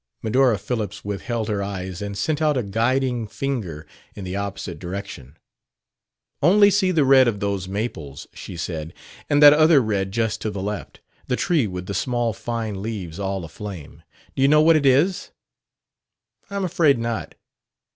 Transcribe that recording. Medora Phillips withheld her eyes and sent out a guiding finger in the opposite direction. "Only see the red of those maples!" she said; "and that other red just to the left the tree with the small, fine leaves all aflame. Do you know what it is?" "I'm afraid not."